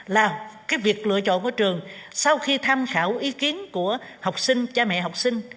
là cái việc lựa chọn của trường sau khi tham khảo ý kiến của học sinh cha mẹ học sinh